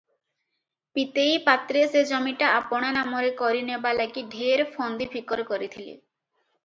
ପୀତେଇ ପାତ୍ରେ ସେ ଜମିଟା ଆପଣା ନାମରେ କରିନେବା ଲାଗି ଢେର ଫନ୍ଦି ଫିକର କରିଥିଲେ ।